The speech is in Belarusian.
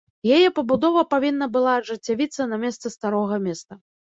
Яе пабудова павінна была ажыццявіцца на месцы старога места.